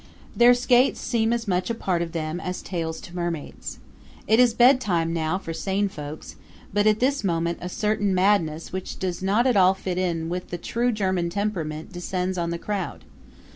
Their skates seem as much a part of them as tails to mermaids. It is bedtime now for sane folks, but at this moment a certain madness which does not at all fit in with the true German temperament descends on the crowd.